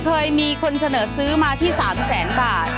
เคยมีคนเสนอซื้อมาที่๓แสนบาท